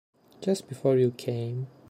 Just before you came.